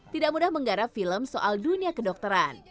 tidak mudah menggarap film soal dunia kedokteran